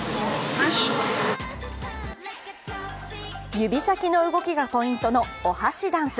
指先の動きがポイントのお箸ダンス。